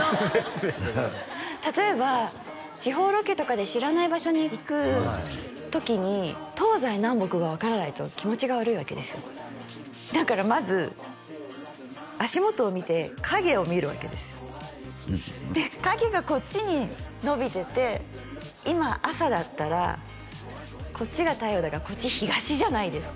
例えば地方ロケとかで知らない場所に行く時に東西南北が分からないと気持ちが悪いわけですよだからまず足元を見て影を見るわけですよで影がこっちにのびてて今朝だったらこっちが太陽だからこっち東じゃないですか